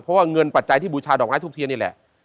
เพราะว่าเงินปัจจัยที่บูชาดอกไม้ทูบเทียนนี่แหละ